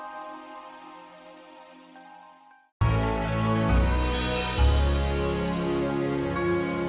ternyata aku masih belum tenang ya